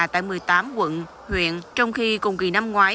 tại một mươi tám quận huyện trong khi cùng kỳ năm ngoái